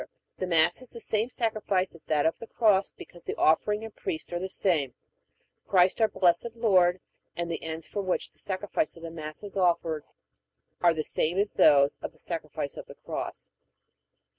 The Mass is the same sacrifice as that of the Cross because the offering and the priest are the same Christ our Blessed Lord; and the ends for which the sacrifice of the Mass is offered are the same as those of the sacrifice of the Cross.